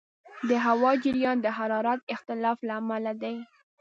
د هوا جریان د حرارت اختلاف له امله دی.